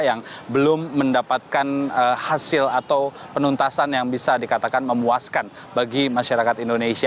yang belum mendapatkan hasil atau penuntasan yang bisa dikatakan memuaskan bagi masyarakat indonesia